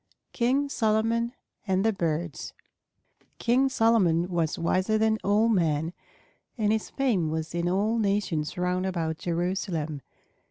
KING SOLOMON AND THE BIRDS King Solomon was wiser than all men, and his fame was in all nations round about Jerusalem.